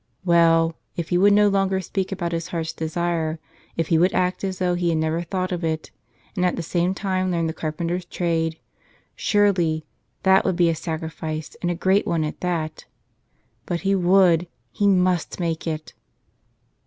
W'ell, if he would no longer speak about his heart's desire, if he would act as though he had never thought of it and at the same time learn the car¬ penter's trade, — surely, that would be a sacrifice, and a great one at that. But he would, he must make it!